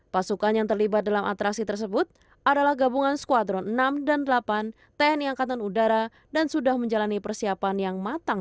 pasukan yang terlibat dalam atraksi tersebut adalah gabungan skuadron enam dan delapan tni angkatan udara dan sudah menjalani persiapan yang matang